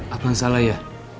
abang salah ya